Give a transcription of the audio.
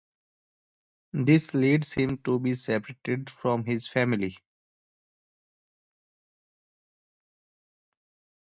This leads him to be separated from his family.